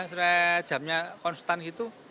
setelah jamnya konstan gitu